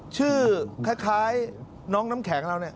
คล้ายน้องน้ำแข็งเราเนี่ย